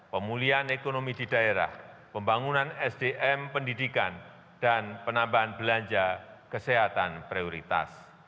pemulihan ekonomi di daerah pembangunan sdm pendidikan dan penambahan belanja kesehatan prioritas